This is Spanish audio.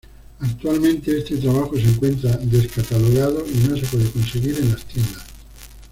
Actualmente, este trabajo se encuentra descatalogado y no se puede conseguir en las tiendas.